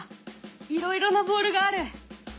いろいろなボールがある！